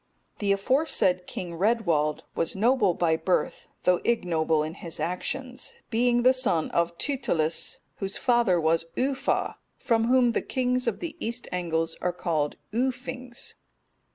The aforesaid King Redwald was noble by birth, though ignoble in his actions, being the son of Tytilus, whose father was Uuffa, from whom the kings of the East Angles are called Uuffings.